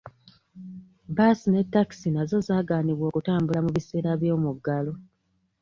Bbaasi ne ttakisi nazo zaagaanibwa okutambula mu biseera by'omuggalo.